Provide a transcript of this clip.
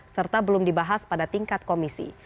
serta belum dibahas pada tingkat komisi